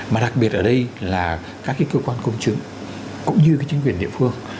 mà đặc biệt ở đây là các cái cơ quan công chứng cũng như chính quyền địa phương